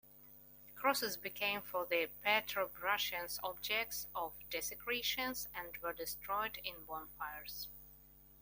Crosses became for the Petrobrusians objects of desecration and were destroyed in bonfires.